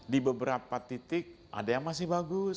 di beberapa titik ada yang masih bagus